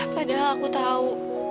padahal aku tahu